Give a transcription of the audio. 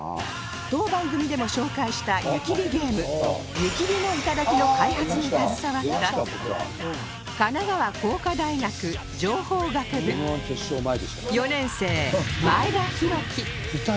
当番組でも紹介した湯切りゲーム『湯切ノ頂』の開発に携わった神奈川工科大学情報学部４年生前田洸希